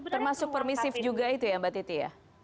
termasuk permisif juga itu ya mbak titi ya